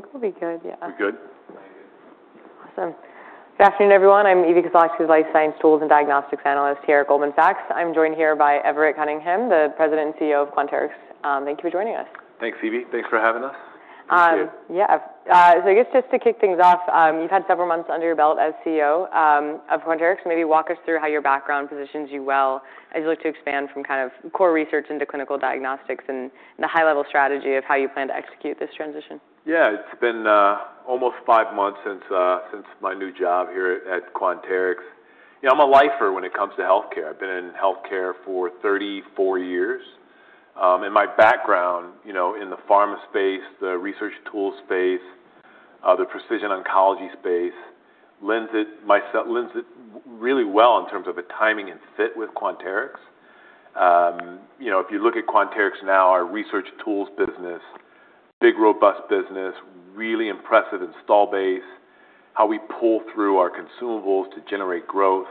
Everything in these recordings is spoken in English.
I think we'll be good, yeah. We good? Awesome. Good afternoon, everyone. I'm Evie Koslosky, Life Science Tools and Diagnostics Analyst here at Goldman Sachs. I'm joined here by Everett Cunningham, the President and CEO of Quanterix. Thank you for joining us. Thanks, Evie. Thanks for having us. Appreciate it. Yeah. I guess just to kick things off, you've had several months under your belt as CEO of Quanterix. Maybe walk us through how your background positions you well as you look to expand from kind of core research into clinical diagnostics and the high-level strategy of how you plan to execute this transition. Yeah. It's been almost five months since my new job here at Quanterix. I'm a lifer when it comes to healthcare. I've been in healthcare for 34 years. My background in the pharma space, the research tool space, the precision oncology space, lends it really well in terms of the timing and fit with Quanterix. If you look at Quanterix now, our research tools business, big, robust business, really impressive install base, how we pull through our consumables to generate growth.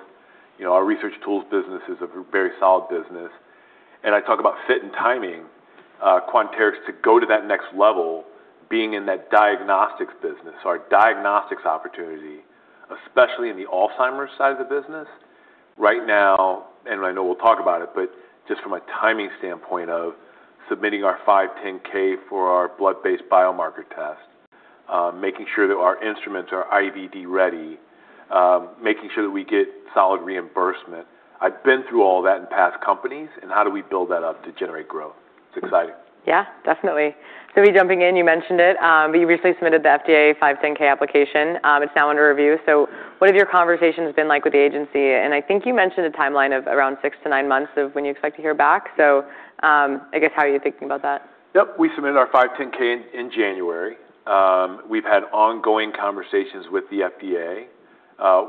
Our research tools business is a very solid business. I talk about fit and timing, Quanterix to go to that next level, being in that diagnostics business, our diagnostics opportunity, especially in the Alzheimer's side of the business. Right now, I know we'll talk about it, just from a timing standpoint of submitting our 510(k) for our blood-based biomarker test, making sure that our instruments are IVD ready, making sure that we get solid reimbursement. I've been through all that in past companies, how do we build that up to generate growth? It's exciting. Yeah, definitely. Maybe jumping in, you mentioned it, you recently submitted the FDA 510(k) application. It's now under review. What have your conversations been like with the agency? I think you mentioned a timeline of around six to nine months of when you expect to hear back. I guess, how are you thinking about that? Yep. We submitted our 510(k) in January. We have had ongoing conversations with the FDA.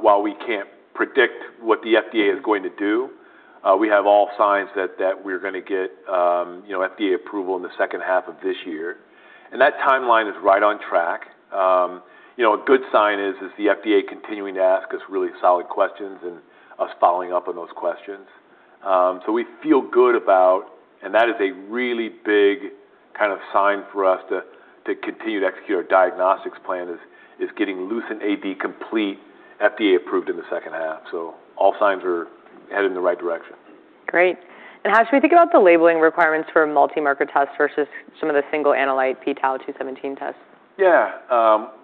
While we cannot predict what the FDA is going to do, we have all signs that we are going to get FDA approval in the second half of this year. That timeline is right on track. A good sign is the FDA continuing to ask us really solid questions and us following up on those questions. We feel good about, and that is a really big kind of sign for us to continue to execute our diagnostics plan, is getting LucentAD Complete FDA approved in the second half. All signs are headed in the right direction. Great. How should we think about the labeling requirements for a multi-marker test versus some of the single analyte p-Tau 217 tests? Yeah.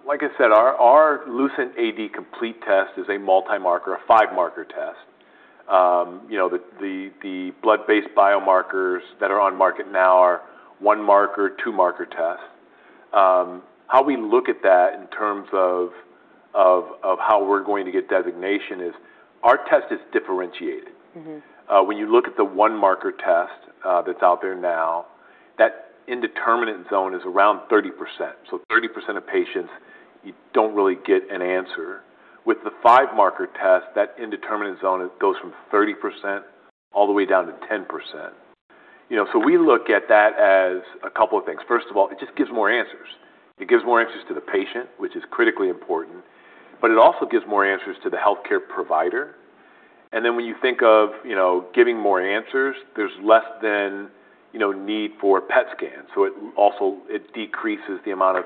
Like I said, our LucentAD Complete test is a multi-marker, a five-marker test. The blood-based biomarkers that are on market now are one-marker, two-marker tests. How we look at that in terms of how we are going to get designation is our test is differentiated. When you look at the one-marker test that is out there now, that indeterminate zone is around 30%. So 30% of patients, you do not really get an answer. With the five-marker test, that indeterminate zone goes from 30% all the way down to 10%. We look at that as a couple of things. First of all, it just gives more answers. It gives more answers to the patient, which is critically important, but it also gives more answers to the healthcare provider. When you think of giving more answers, there is less then need for PET scans, so it decreases the amount of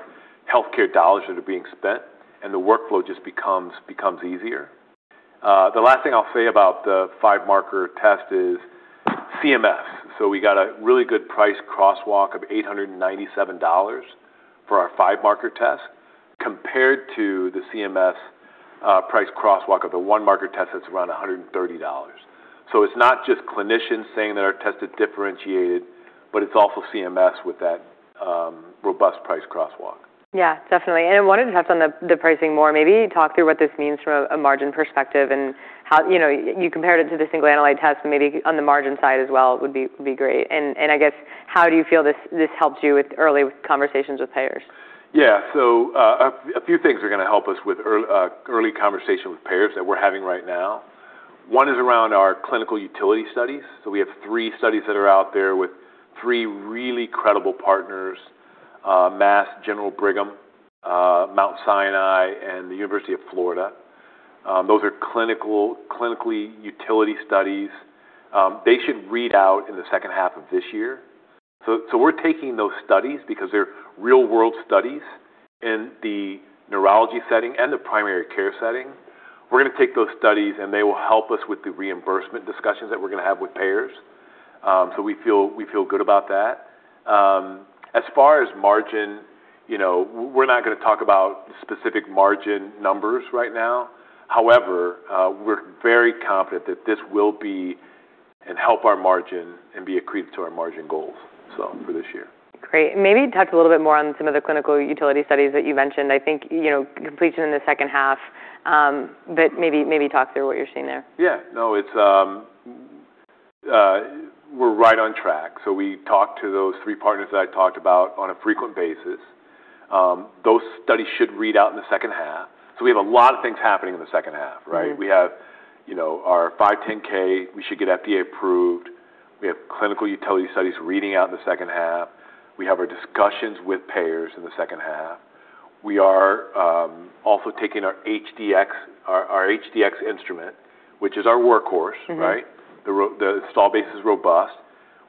healthcare dollars that are being spent, and the workflow just becomes easier. The last thing I will say about the five-marker test is CMS. We got a really good price crosswalk of $897 for our five-marker test compared to the CMS price crosswalk of the one-marker test that's around $130. It's not just clinicians saying that our test is differentiated, but it's also CMS with that robust price crosswalk. Yeah, definitely. I wanted to touch on the pricing more. Maybe talk through what this means from a margin perspective and how you compared it to the single analyte test, but maybe on the margin side as well would be great. I guess, how do you feel this helps you with early conversations with payers? Yeah. A few things are going to help us with early conversation with payers that we're having right now. One is around our clinical utility studies. We have three studies that are out there with three really credible partners, Mass General Brigham, Mount Sinai, and the University of Florida. Those are clinical utility studies. They should read out in the second half of this year. We're taking those studies because they're real-world studies in the neurology setting and the primary care setting. We're going to take those studies, and they will help us with the reimbursement discussions that we're going to have with payers. We feel good about that. As far as margin, we're not going to talk about specific margin numbers right now. However, we're very confident that this will be and help our margin and be accretive to our margin goals for this year. Great. Maybe touch a little bit more on some of the clinical utility studies that you mentioned. I think completion in the second half. Maybe talk through what you're seeing there. Yeah. No. We're right on track. We talk to those three partners that I talked about on a frequent basis. Those studies should read out in the second half. We have a lot of things happening in the second half, right? We have our 510(k). We should get FDA approved. We have clinical utility studies reading out in the second half. We have our discussions with payers in the second half. We are also taking our HD-X instrument, which is our workhorse, right? The install base is robust.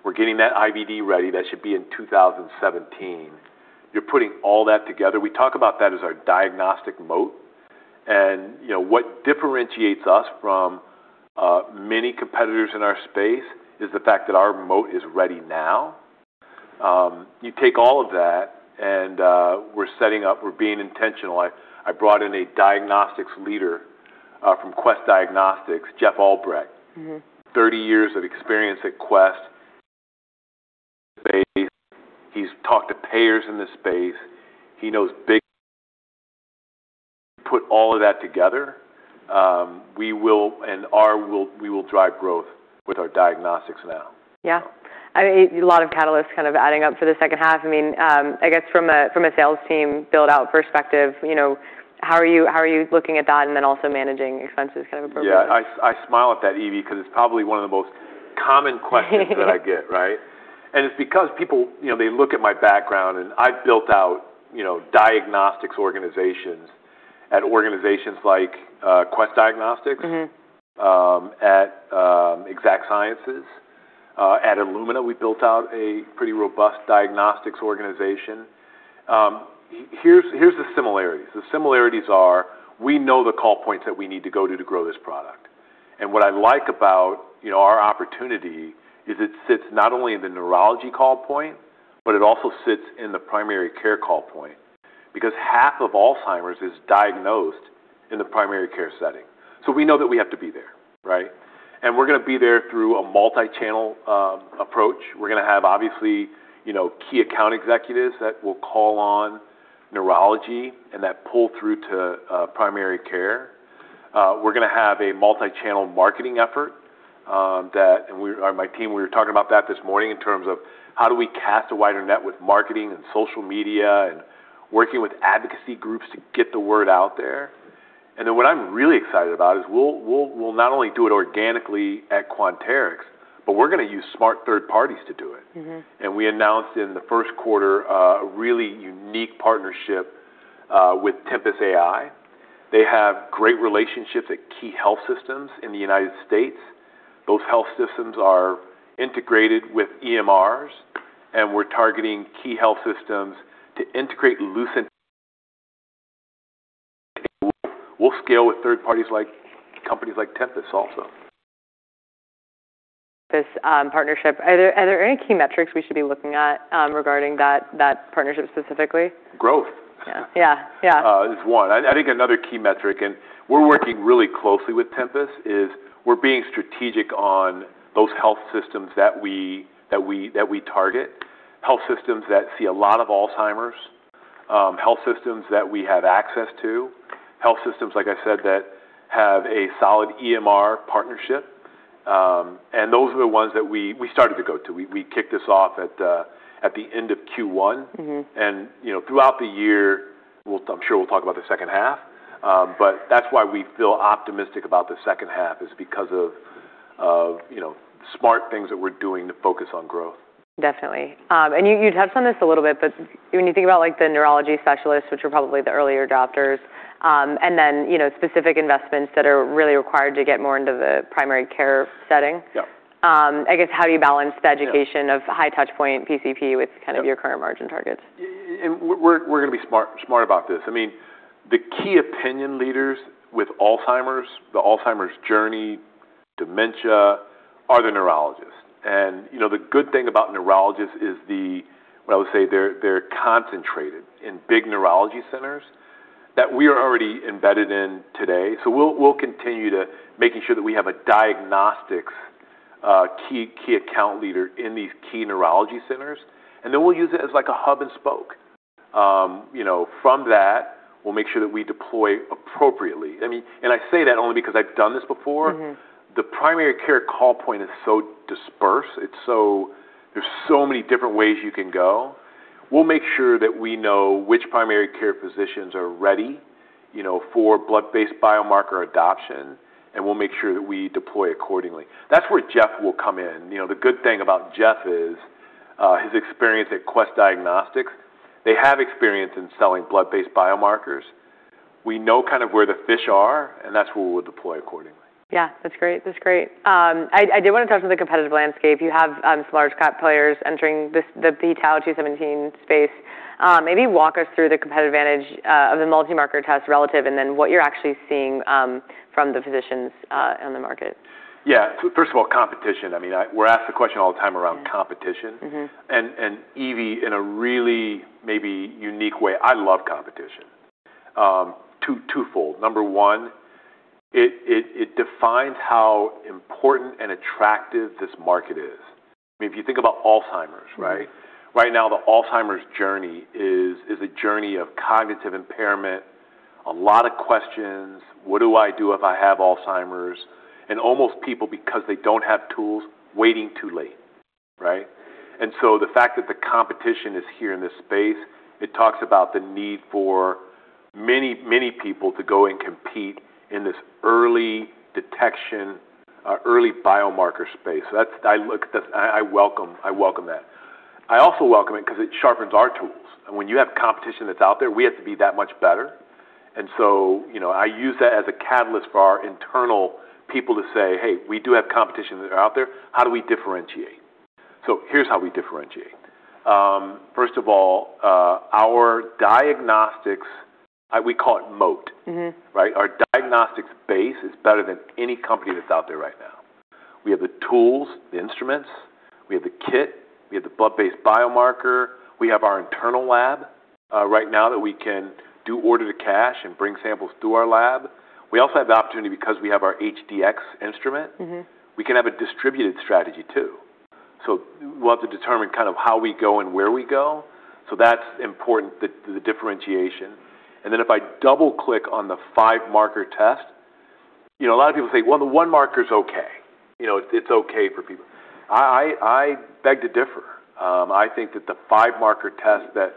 We're getting that IVD ready. That should be in 2027. You're putting all that together. We talk about that as our diagnostic moat. What differentiates us from many competitors in our space is the fact that our moat is ready now. You take all of that. We're setting up, we're being intentional. I brought in a diagnostics leader from Quest Diagnostics, Geoff Albrecht. 30 years of experience at Quest. He's talked to payers in this space. He knows. Put all of that together. We will drive growth with our diagnostics now. Yeah. A lot of catalysts kind of adding up for the second half. I guess from a sales team build-out perspective, how are you looking at that, also managing expenses kind of appropriately? Yeah. I smile at that, Evie, because it's probably one of the most common questions that I get, right? It's because people, they look at my background, and I've built out diagnostics organizations at organizations like Quest Diagnostics. At Exact Sciences. At Illumina, we built out a pretty robust diagnostics organization. Here's the similarities. The similarities are, we know the call points that we need to go to grow this product. What I like about our opportunity is it sits not only in the neurology call point, but it also sits in the primary care call point, because half of Alzheimer's is diagnosed in the primary care setting. We know that we have to be there, right? We're going to be there through a multi-channel approach. We're going to have, obviously, key account executives that will call on neurology and that pull through to primary care. We're going to have a multi-channel marketing effort. My team, we were talking about that this morning in terms of how do we cast a wider net with marketing and social media, and working with advocacy groups to get the word out there. What I'm really excited about is we'll not only do it organically at Quanterix, but we're going to use smart third parties to do it. We announced in the first quarter a really unique partnership with Tempus AI. They have great relationships at key health systems in the U.S. Those health systems are integrated with EMRs. We're targeting key health systems to integrate LucentAD. We'll scale with third parties like companies like Tempus also. This partnership, are there any key metrics we should be looking at regarding that partnership specifically? Growth. Yeah. Is one. I think another key metric, and we're working really closely with Tempus, is we're being strategic on those health systems that we target. Health systems that see a lot of Alzheimer's, health systems that we have access to, health systems, like I said, that have a solid EMR partnership. Those are the ones that we started to go to. We kicked this off at the end of Q1. Throughout the year, I'm sure we'll talk about the second half. That's why we feel optimistic about the second half, is because of smart things that we're doing to focus on growth. Definitely. You touched on this a little bit, but when you think about the neurology specialists, which are probably the earlier adopters, and then specific investments that are really required to get more into the primary care setting. Yeah I guess, how do you balance the education of high touch point PCP with kind of your current margin targets? We're going to be smart about this. The key opinion leaders with Alzheimer's, the Alzheimer's journey, dementia, are the neurologists. The good thing about neurologists is, what I would say, they're concentrated in big neurology centers that we are already embedded in today. We'll continue to making sure that we have a diagnostics key account leader in these key neurology centers, then we'll use it as like a hub and spoke. From that, we'll make sure that we deploy appropriately. I say that only because I've done this before. The primary care call point is so dispersed. There's so many different ways you can go. We'll make sure that we know which primary care physicians are ready for blood-based biomarker adoption, and we'll make sure that we deploy accordingly. That's where Geoff will come in. The good thing about Geoff is, his experience at Quest Diagnostics, they have experience in selling blood-based biomarkers. We know kind of where the fish are, and that's where we'll deploy accordingly. Yeah. That's great. I did want to touch on the competitive landscape. You have some large cap players entering the p-Tau 217 space. Maybe walk us through the competitive advantage of the multi-marker test relative, and then what you're actually seeing from the physicians on the market. Yeah. First of all, competition. We're asked the question all the time around competition. Evie, in a really maybe unique way, I love competition. Twofold. Number one, it defines how important and attractive this market is. If you think about Alzheimer's, right? Right now, the Alzheimer's journey is a journey of cognitive impairment, a lot of questions. What do I do if I have Alzheimer's? Almost people, because they don't have tools, waiting too late. Right? The fact that the competition is here in this space, it talks about the need for many people to go and compete in this early detection, early biomarker space. I welcome that. I also welcome it because it sharpens our tools. When you have competition that's out there, we have to be that much better. I use that as a catalyst for our internal people to say, "Hey, we do have competition that are out there. How do we differentiate? Here's how we differentiate. First of all, our diagnostics, we call it moat. Right? Our diagnostics base is better than any company that's out there right now. We have the tools, the instruments, we have the kit, we have the blood-based biomarker, we have our internal lab right now that we can do order to cash and bring samples through our lab. We also have the opportunity, because we have our HD-X instrument. We can have a distributed strategy, too. We'll have to determine kind of how we go and where we go. That's important, the differentiation. Then if I double-click on the five-marker test, a lot of people say, "Well, the one marker's okay." It's okay for people. I beg to differ. I think that the five-marker test that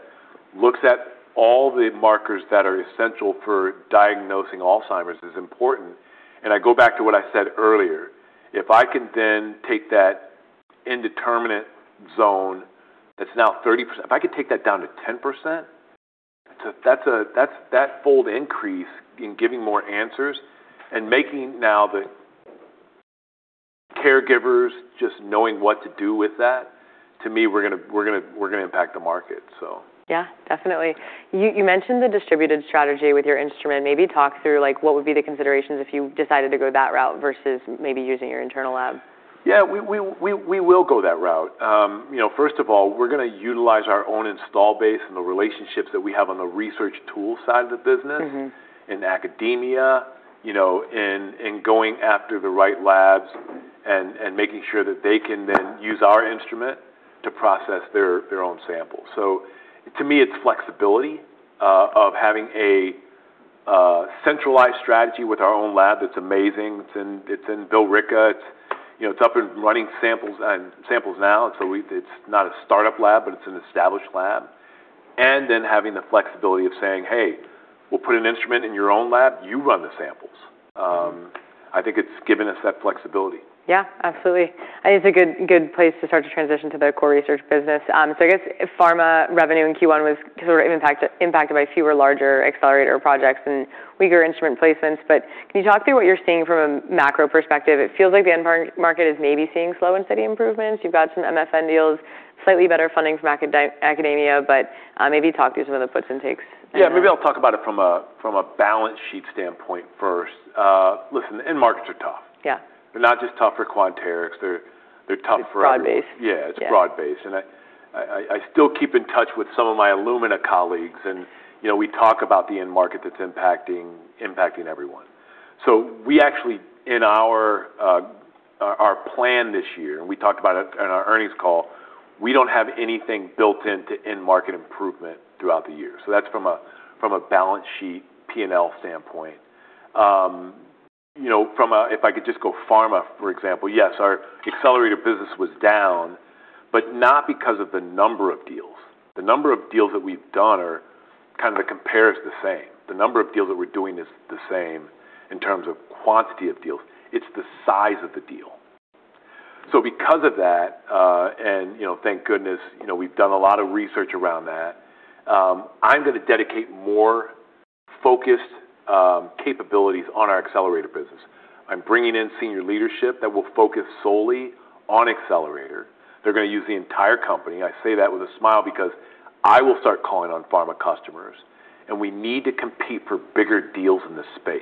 looks at all the markers that are essential for diagnosing Alzheimer's is important, and I go back to what I said earlier. If I can then take that indeterminate zone that's now 30%, if I could take that down to 10%, that fold increase in giving more answers and making now the caregivers just knowing what to do with that, to me, we're going to impact the market. Yeah, definitely. You mentioned the distributed strategy with your instrument. Maybe talk through what would be the considerations if you decided to go that route versus maybe using your internal lab. Yeah, we will go that route. First of all, we're going to utilize our own install base and the relationships that we have on the research tool side of the business. In academia, in going after the right labs and making sure that they can then use our instrument to process their own samples. To me, it's flexibility of having a centralized strategy with our own lab that's amazing. It's in Billerica. It's up and running samples now. It's not a startup lab, but it's an established lab. Having the flexibility of saying, "Hey, we'll put an instrument in your own lab. You run the samples." I think it's given us that flexibility. Yeah, absolutely. I think it's a good place to start to transition to the core research business. I guess pharma revenue in Q1 was sort of impacted by fewer larger Accelerator projects and weaker instrument placements. Can you talk through what you're seeing from a macro perspective? It feels like the end market is maybe seeing slow and steady improvements. You've got some MFN deals, slightly better funding from academia, maybe talk through some of the puts and takes. Yeah. Maybe I'll talk about it from a balance sheet standpoint first. Listen, end markets are tough. Yeah. They're not just tough for Quanterix, they're tough for. It's broad-based. Yeah. It's broad-based. Yeah. I still keep in touch with some of my Illumina colleagues, and we talk about the end market that's impacting everyone. We actually, in our plan this year, we talked about it in our earnings call, we don't have anything built into end market improvement throughout the year. That's from a balance sheet P&L standpoint. If I could just go pharma, for example, yes, our Accelerator business was down, but not because of the number of deals. The number of deals that we've done are kind of the compare is the same. The number of deals that we're doing is the same in terms of quantity of deals. It's the size of the deal. Because of that, and thank goodness we've done a lot of research around that, I'm going to dedicate more focused capabilities on our Accelerator business. I'm bringing in senior leadership that will focus solely on Accelerator. They're going to use the entire company, and I say that with a smile because I will start calling on pharma customers, and we need to compete for bigger deals in this space.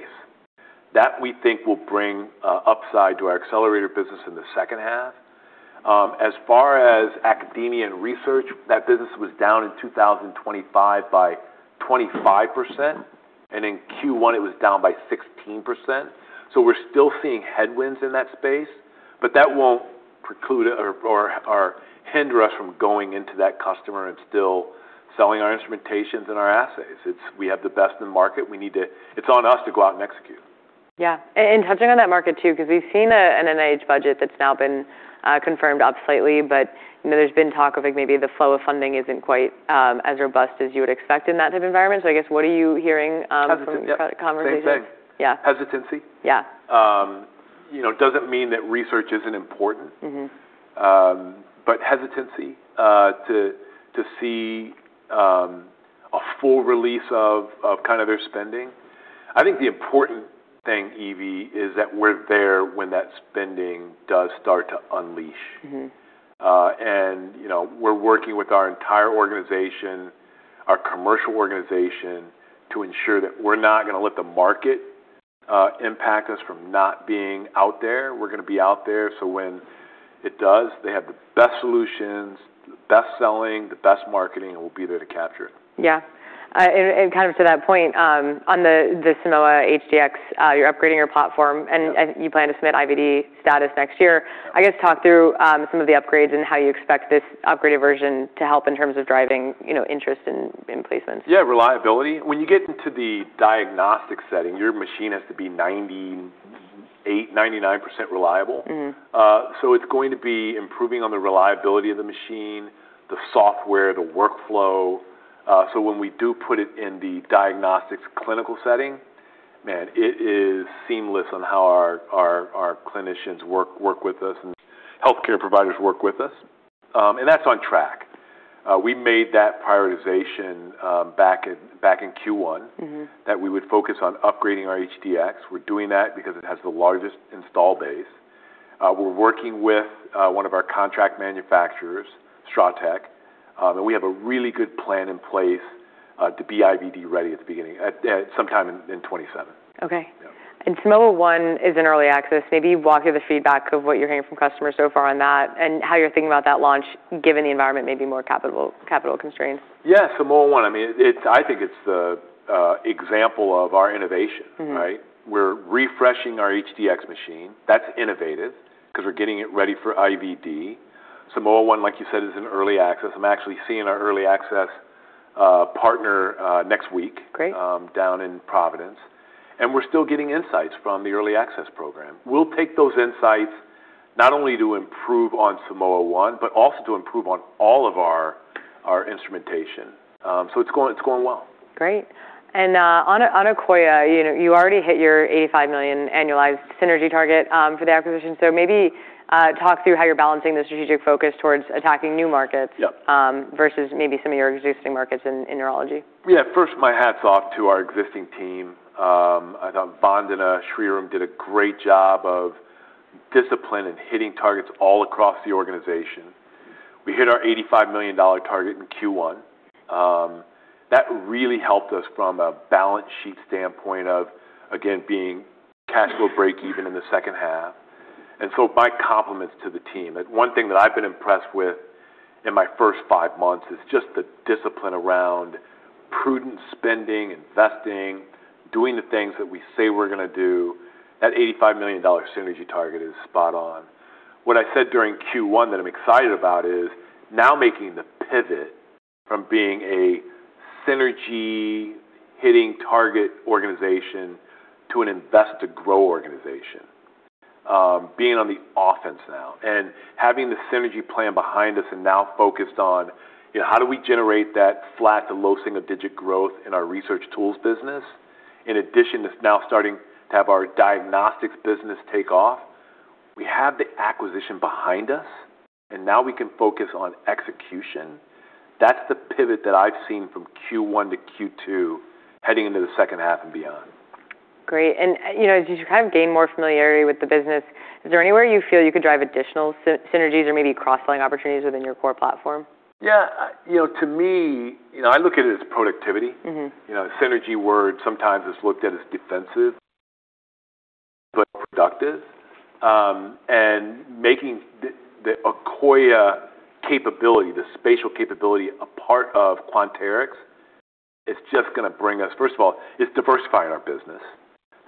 That we think will bring upside to our Accelerator business in the second half. As far as academia and research, that business was down in 2025 by 25%, and in Q1 it was down by 16%. We're still seeing headwinds in that space, but that won't hinder us from going into that customer and still selling our instrumentations and our assays. We have the best in the market. It's on us to go out and execute. Yeah, touching on that market, too, because we've seen an NIH budget that's now been confirmed up slightly, but there's been talk of maybe the flow of funding isn't quite as robust as you would expect in that type environment. I guess, what are you hearing from conversations? Same thing. Yeah. Hesitancy. Yeah. Doesn't mean that research isn't important. Hesitancy to see a full release of kind of their spending. I think the important thing, Evie, is that we're there when that spending does start to unleash. We're working with our entire organization, our commercial organization, to ensure that we're not going to let the market impact us from not being out there. We're going to be out there so when it does, they have the best solutions, the best selling, the best marketing, and we'll be there to capture it. Yeah. Kind of to that point, on the Simoa HD-X, you're upgrading your platform. Yeah. You plan to submit IVD status next year. I guess, talk through some of the upgrades and how you expect this upgraded version to help in terms of driving interest in placements. Yeah, reliability. When you get into the diagnostic setting, your machine has to be 98%, 99% reliable. It's going to be improving on the reliability of the machine, the software, the workflow. When we do put it in the diagnostics clinical setting, it is seamless on how our clinicians work with us and healthcare providers work with us. That's on track. We made that prioritization back in Q1. That we would focus on upgrading our HD-X. We're doing that because it has the largest install base. We're working with one of our contract manufacturers, STRATEC, and we have a really good plan in place to be IVD ready at sometime in 2027. Okay. Yeah. Simoa ONE is in early access. Maybe walk through the feedback of what you're hearing from customers so far on that and how you're thinking about that launch, given the environment may be more capital constraints. Yeah. Simoa ONE, I think it's the example of our innovation, right? We're refreshing our HD-X machine. That's innovative, because we're getting it ready for IVD. Simoa ONE, like you said, is in early access. I'm actually seeing our early access partner next week. Great Down in Providence. We're still getting insights from the early access program. We'll take those insights not only to improve on Simoa ONE, but also to improve on all of our instrumentation. It's going well. Great. On Akoya, you already hit your $85 million annualized synergy target for the acquisition. Maybe talk through how you're balancing the strategic focus towards attacking new markets. Yep versus maybe some of your existing markets in neurology. Yeah. First, my hat's off to our existing team. I thought Vandana Sriram did a great job of discipline and hitting targets all across the organization. We hit our $85 million target in Q1. That really helped us from a balance sheet standpoint of, again, being cash flow break even in the second half. My compliments to the team. One thing that I've been impressed with in my first five months is just the discipline around prudent spending, investing, doing the things that we say we're going to do. That $85 million synergy target is spot on. What I said during Q1 that I'm excited about is now making the pivot from being a synergy hitting target organization to an invest to grow organization. Being on the offense now, and having the synergy plan behind us and now focused on how do we generate that flat to low single digit growth in our research tools business? In addition, it's now starting to have our diagnostics business take off. We have the acquisition behind us, and now we can focus on execution. That's the pivot that I've seen from Q1 to Q2, heading into the second half and beyond. Great. As you gain more familiarity with the business, is there anywhere you feel you could drive additional synergies or maybe cross-selling opportunities within your core platform? Yeah. To me, I look at it as productivity. Synergy word sometimes is looked at as defensive, but productive. Making the Akoya capability, the spatial capability, a part of Quanterix is just going to bring us. First of all, it's diversifying our business.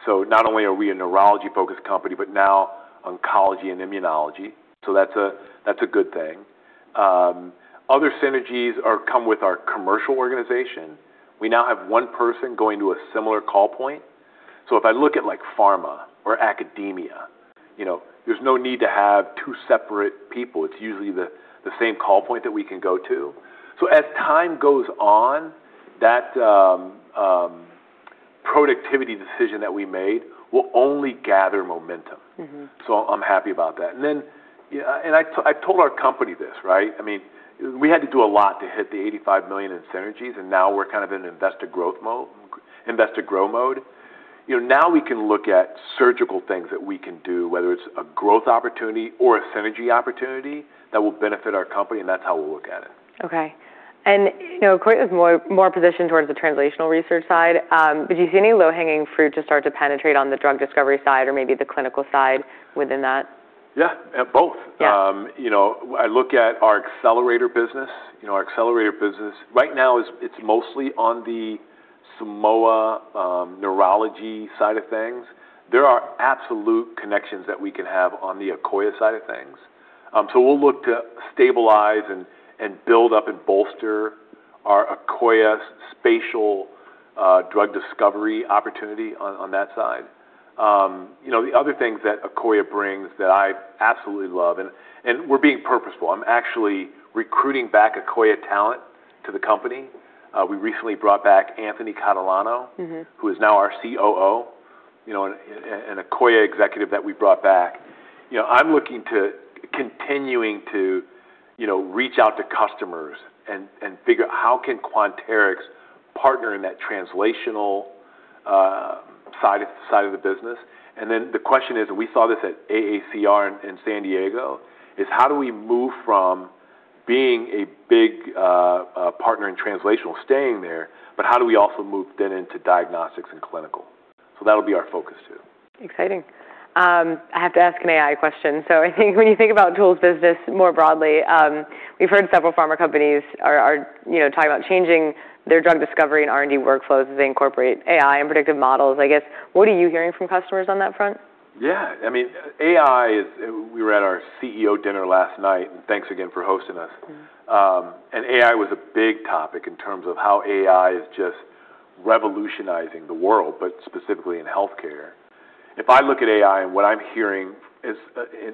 Not only are we a neurology-focused company, but now oncology and immunology. That's a good thing. Other synergies come with our commercial organization. We now have one person going to a similar call point. If I look at pharma or academia, there's no need to have two separate people. It's usually the same call point that we can go to. As time goes on, that productivity decision that we made will only gather momentum. I'm happy about that. I told our company this. We had to do a lot to hit the $85 million in synergies, now we're in investor grow mode. Now we can look at surgical things that we can do, whether it's a growth opportunity or a synergy opportunity that will benefit our company, and that's how we'll look at it. Okay. Akoya is more positioned towards the translational research side, do you see any low-hanging fruit to start to penetrate on the drug discovery side or maybe the clinical side within that? Yeah, both. Yeah. I look at our Accelerator business. Our Accelerator business right now is mostly on the Simoa neurology side of things. There are absolute connections that we can have on the Akoya side of things. We'll look to stabilize and build up and bolster our Akoya spatial drug discovery opportunity on that side. The other things that Akoya brings that I absolutely love, and we're being purposeful. I'm actually recruiting back Akoya talent to the company. We recently brought back Anthony Catalano who is now our COO, an Akoya executive that we brought back. I'm looking to continuing to reach out to customers and figure how can Quanterix partner in that translational side of the business. The question is, we saw this at AACR in San Diego, is how do we move from being a big partner in translational, staying there, but how do we also move then into diagnostics and clinical? That'll be our focus, too. Exciting. I have to ask an AI question. I think when you think about tools business more broadly, we've heard several pharma companies are talking about changing their drug discovery and R&D workflows as they incorporate AI and predictive models. I guess, what are you hearing from customers on that front? Yeah. We were at our CEO dinner last night, thanks again for hosting us. AI was a big topic in terms of how AI is just revolutionizing the world, but specifically in healthcare. If I look at AI and what I'm hearing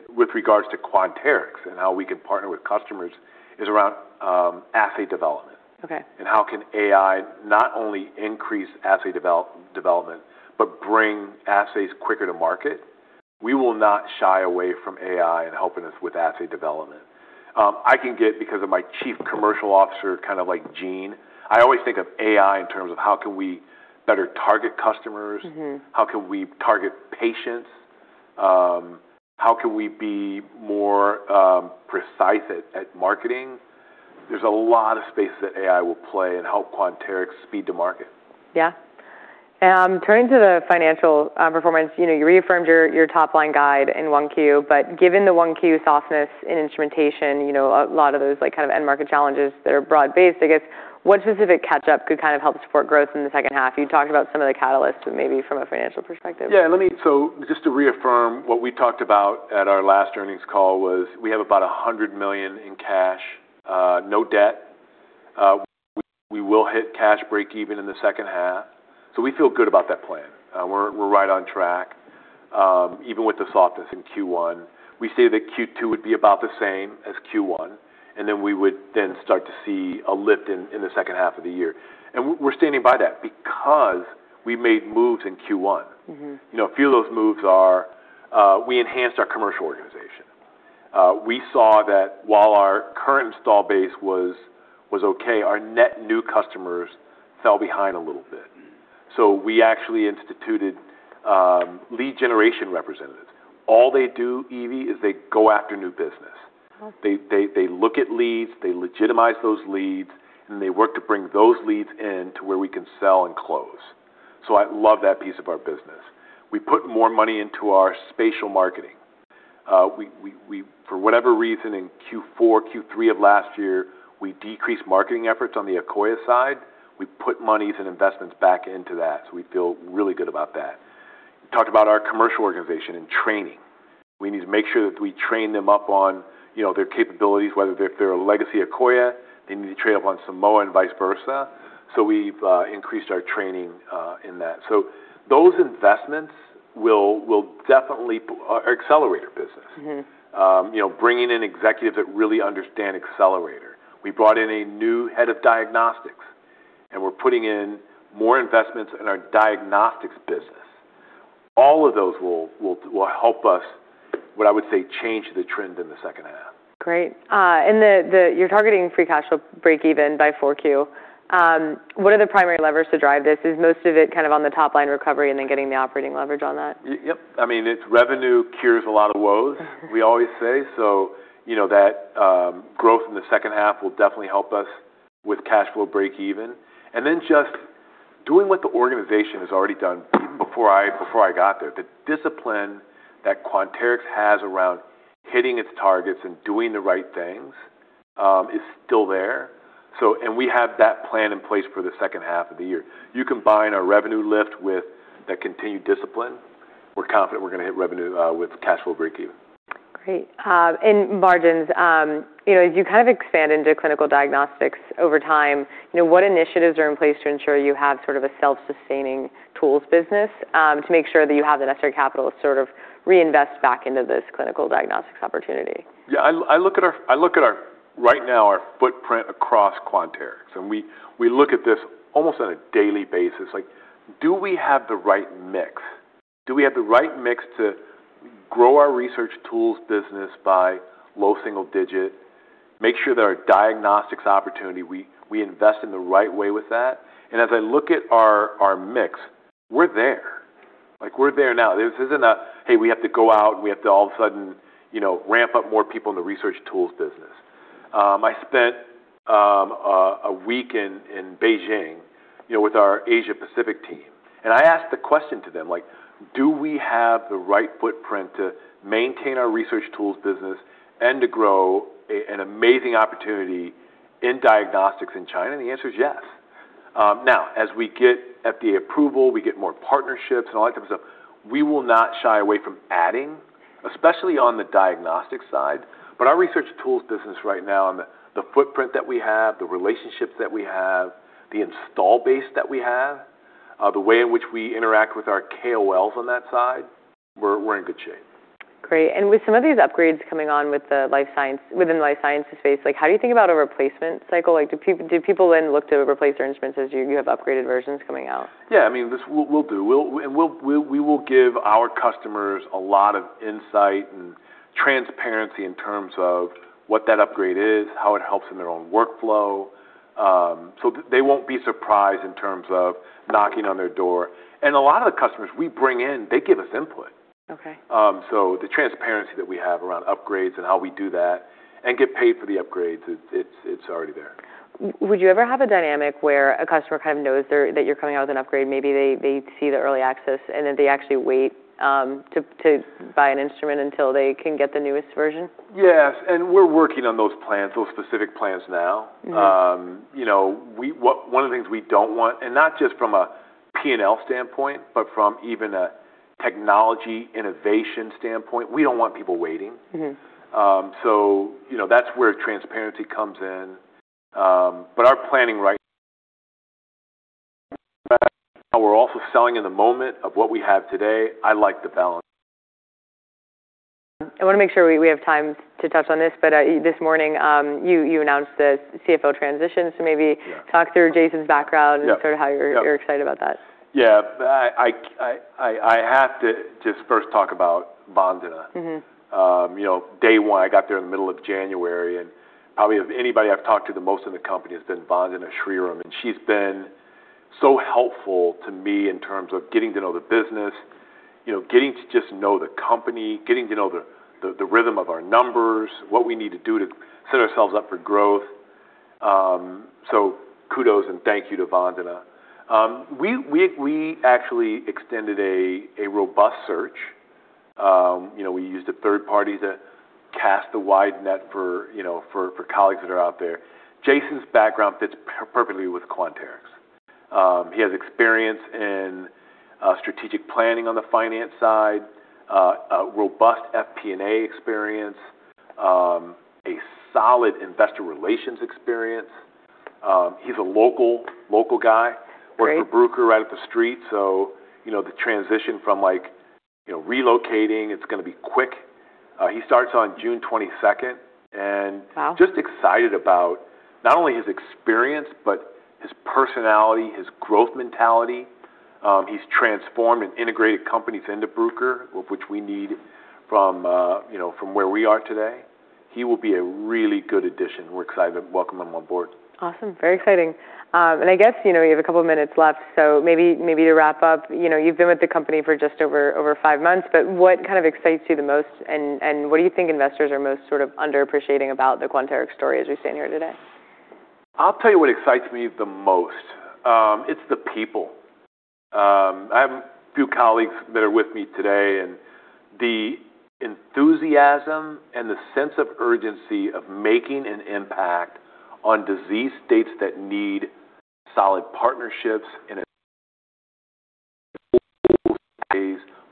with regards to Quanterix and how we can partner with customers is around assay development. Okay. How can AI not only increase assay development, but bring assays quicker to market? We will not shy away from AI in helping us with assay development. I can get, because of my Chief Commercial Officer, kind of like Gene, I always think of AI in terms of how can we better target customers. How can we target patients? How can we be more precise at marketing? There's a lot of space that AI will play and help Quanterix speed to market. Yeah. Turning to the financial performance, you reaffirmed your top-line guide in 1Q, given the 1Q softness in instrumentation, a lot of those kind of end market challenges that are broad-based, I guess, what specific catch-up could kind of help support growth in the second half? You talked about some of the catalysts, maybe from a financial perspective. Yeah. Just to reaffirm what we talked about at our last earnings call was we have about $100 million in cash, no debt. We will hit cash breakeven in the second half. We feel good about that plan. We're right on track. Even with the softness in Q1, we say that Q2 would be about the same as Q1, we would then start to see a lift in the second half of the year. We're standing by that because we made moves in Q1. A few of those moves are we enhanced our commercial organization. We saw that while our current install base was okay, our net new customers fell behind a little bit. We actually instituted lead generation representatives. All they do, Evie, is they go after new business. Okay. They look at leads, they legitimize those leads, and they work to bring those leads in to where we can sell and close. I love that piece of our business. We put more money into our spatial marketing. For whatever reason, in Q4, Q3 of last year, we decreased marketing efforts on the Akoya side. We put monies and investments back into that, we feel really good about that. Talked about our commercial organization and training. We need to make sure that we train them up on their capabilities, whether if they're a legacy Akoya, they need to train up on Simoa and vice versa. We've increased our training in that. Those investments will definitely accelerate our business. Bringing in executives that really understand Accelerator. We brought in a new Head of Diagnostics, we're putting in more investments in our diagnostics business. All of those will help us, what I would say, change the trend in the second half. Great. You're targeting free cash flow breakeven by 4Q. What are the primary levers to drive this? Is most of it kind of on the top-line recovery and then getting the operating leverage on that? Yep. Revenue cures a lot of woes, we always say, so that growth in the second half will definitely help us with cash flow breakeven. Then just doing what the organization has already done before I got there. The discipline that Quanterix has around hitting its targets and doing the right things is still there. We have that plan in place for the second half of the year. You combine our revenue lift with that continued discipline, we're confident we're going to hit revenue with cash flow breakeven. Great. In margins, as you kind of expand into clinical diagnostics over time, what initiatives are in place to ensure you have sort of a self-sustaining tools business to make sure that you have the necessary capital to sort of reinvest back into this clinical diagnostics opportunity? Yeah, I look at right now our footprint across Quanterix, and we look at this almost on a daily basis, like, do we have the right mix? Do we have the right mix to grow our research tools business by low single digit, make sure that our diagnostics opportunity, we invest in the right way with that? As I look at our mix, we're there. We're there now. This isn't a, "Hey, we have to go out and we have to all of a sudden ramp up more people in the research tools business." I spent a week in Beijing with our Asia Pacific team, I asked the question to them, like, "Do we have the right footprint to maintain our research tools business and to grow an amazing opportunity in diagnostics in China?" The answer is yes. Now, as we get FDA approval, we get more partnerships, all that type of stuff, we will not shy away from adding, especially on the diagnostic side. Our research tools business right now and the footprint that we have, the relationships that we have, the install base that we have, the way in which we interact with our KOLs on that side, we're in good shape. Great. With some of these upgrades coming on within the life sciences space, how do you think about a replacement cycle? Do people then look to replace their instruments as you have upgraded versions coming out? Yeah, we'll do. We will give our customers a lot of insight and transparency in terms of what that upgrade is, how it helps in their own workflow, so they won't be surprised in terms of knocking on their door. A lot of the customers we bring in, they give us input. Okay. The transparency that we have around upgrades and how we do that and get paid for the upgrades, it's already there. Would you ever have a dynamic where a customer kind of knows that you're coming out with an upgrade, maybe they see the early access, and then they actually wait to buy an instrument until they can get the newest version? Yes, we're working on those specific plans now. One of the things we don't want, and not just from a P&L standpoint, but from even a technology innovation standpoint, we don't want people waiting. That's where transparency comes in. We're also selling in the moment of what we have today. I like the balance. I want to make sure we have time to touch on this, but this morning, you announced the CFO transition. Yeah talk through Jason's background. Yep sort of how you're excited about that. Yeah. I have to just first talk about Vandana. Day one, I got there in the middle of January. Probably of anybody I've talked to the most in the company has been Vandana Sriram. She's been so helpful to me in terms of getting to know the business, getting to just know the company, getting to know the rhythm of our numbers, what we need to do to set ourselves up for growth. Kudos and thank you to Vandana. We actually extended a robust search. We used a third party to cast a wide net for colleagues that are out there. Jason's background fits perfectly with Quanterix. He has experience in strategic planning on the finance side, a robust FP&A experience, a solid investor relations experience. He's a local guy. Great. Works for Bruker right up the street. The transition from relocating, it's going to be quick. He starts on June 22nd. Wow just excited about not only his experience, but his personality, his growth mentality. He's transformed and integrated companies into Bruker, which we need from where we are today. He will be a really good addition. We're excited to welcome him on board. Awesome. Very exciting. I guess, we have a couple minutes left, so maybe to wrap up. You've been with the company for just over five months, but what kind of excites you the most, and what do you think investors are most sort of under-appreciating about the Quanterix story as we stand here today? I'll tell you what excites me the most. It's the people. I have a few colleagues that are with me today, the enthusiasm and the sense of urgency of making an impact on disease states that need solid partnerships and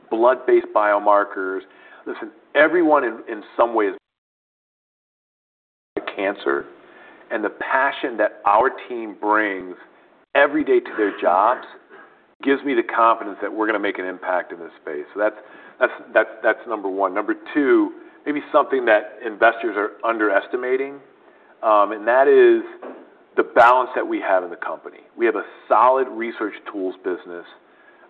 blood-based biomarkers. Listen, everyone in some way is cancer, the passion that our team brings every day to their jobs gives me the confidence that we're going to make an impact in this space. That's number one. Number two, maybe something that investors are underestimating, that is the balance that we have in the company. We have a solid research tools business,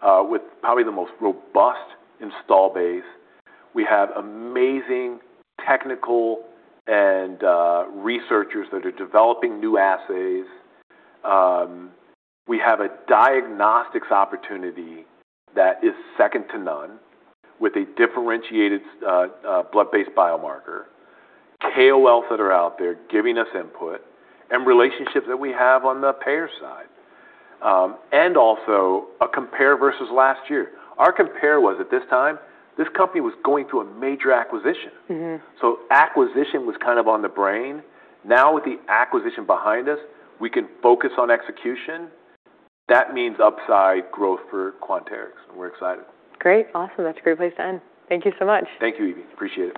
with probably the most robust install base. We have amazing technical and researchers that are developing new assays. We have a diagnostics opportunity that is second to none with a differentiated blood-based biomarker, KOLs that are out there giving us input, and relationships that we have on the payer side. Also a compare versus last year. Our compare was at this time, this company was going through a major acquisition. Acquisition was kind of on the brain. Now with the acquisition behind us, we can focus on execution. That means upside growth for Quanterix. We're excited. Great. Awesome. That's a great place to end. Thank you so much. Thank you, Evie. Appreciate it.